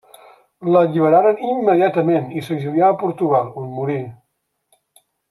L'alliberaren immediatament i s'exilià a Portugal, on morí.